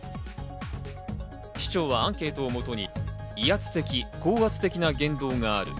市長はアンケートをもとに、威圧的・高圧的な言動がある。